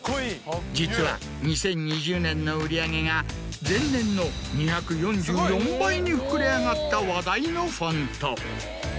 実は２０２０年の売り上げが。に膨れ上がった話題のフォント。